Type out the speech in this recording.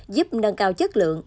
giúp nâng cao chất lượng